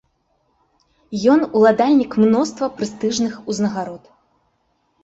Ён ўладальнік мноства прэстыжных узнагарод.